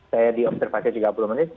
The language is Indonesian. saya diobservasi tiga puluh menit